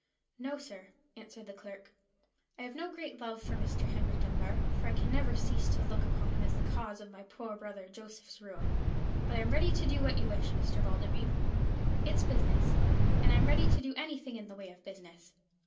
"No, sir," answered the clerk; "I have no great love for Mr. Henry Dunbar, for I can never cease to look upon him as the cause of my poor brother Joseph's ruin; but I am ready to do what you wish, Mr. Balderby. It's business, and I'm ready to do anything in the way of business.